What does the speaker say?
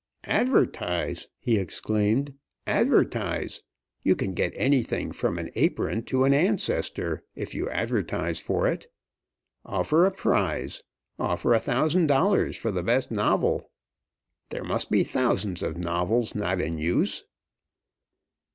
"Advertise!" he exclaimed. "Advertise! You can get anything, from an apron to an ancestor, if you advertise for it. Offer a prize offer a thousand dollars for the best novel. There must be thousands of novels not in use."